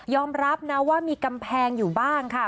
รับนะว่ามีกำแพงอยู่บ้างค่ะ